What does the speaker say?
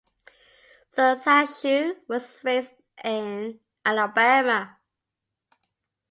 Sudhanshu was raised in Alabama.